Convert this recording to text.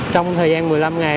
trong thời gian một mươi năm ngày